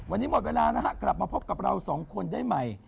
วันนี้หมดเวลานะฮะกลับมาพบกับเราสองคนได้ใหม่